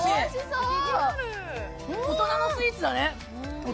大人のスイーツだね。